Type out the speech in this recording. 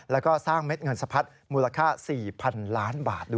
แล้วก็สร้างเม็ดเงินสะพัดมูลค่า๔๐๐๐ล้านบาทด้วย